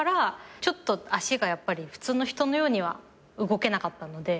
ちょっとあしがやっぱり普通の人のようには動けなかったので。